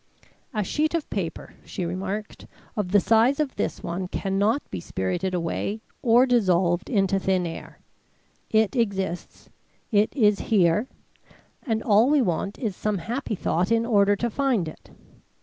"A sheet of paper," she remarked, "of the size of this one cannot be spirited away, or dissolved into thin air. It exists; it is here; and all we want is some happy thought in order to find it.